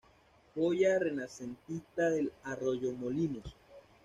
Joya renacentista de Arroyomolinos.